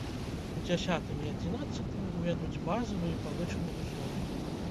У дзясятым і адзінаццатым увядуць базавы і павышаны ўзровень.